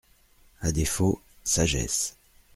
À défaut, sagesse.